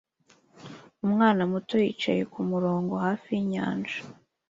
Umwana muto wicaye kumurongo hafi yinyanja